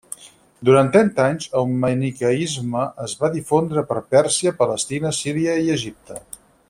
Durant trenta anys, el maniqueisme es va difondre per Pèrsia, Palestina, Síria i Egipte.